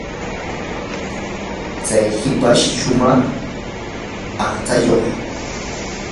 chay hipash shumaq aqchayuq.